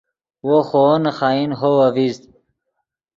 وو خوو نے خائن ہوو اڤزید